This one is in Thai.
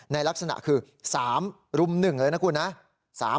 ลักษณะคือ๓รุ่ม๑เลยนะคุณนะ